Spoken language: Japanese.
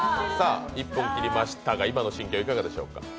１分切りましたが、今の心境はいかがでしょうか？